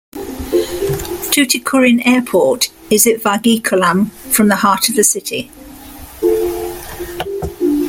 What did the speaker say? Tuticorin Airport is at Vagaikulam, from the heart of the city.